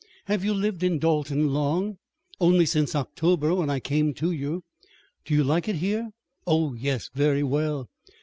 "Have you lived in Dalton long?" "Only since October, when I came to you." "Do you like it here?" "Oh, yes, very well."